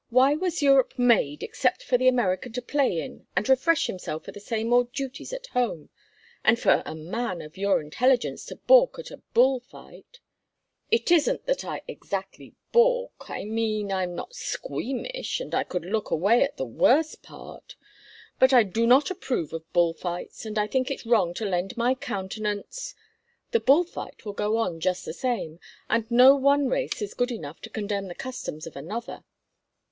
Why was Europe made except for the American to play in and refresh himself for the same old duties at home? And for a man of your intelligence to balk at a bull fight—" "It isn't that I exactly balk—I mean I am not squeamish—and I could look away at the worst part—but I do not approve of bull fights, and think it wrong to lend my countenance—" "The bull fight will go on just the same; and no one race is good enough to condemn the customs of another.